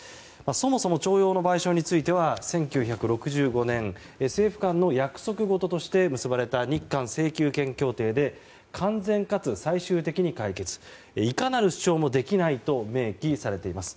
そもそも徴用の賠償については１９６５年政府間の約束事として結ばれた日韓請求権協定で完全かつ最終的に解決いかなる主張もできないと明記されています。